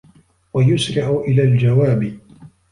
وَيُسْرِعُ إلَى الْجَوَابِ